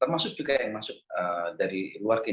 termasuk juga yang masuk dari luar